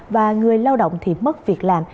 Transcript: và người lao động thì mất việc làm